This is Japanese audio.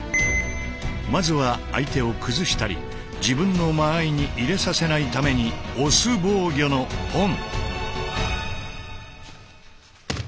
まずは相手を崩したり自分の間合いに入れさせないために押す防御の「ポン」。